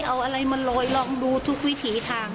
เอาอะไรมาโรยลองดูทุกวิถีทาง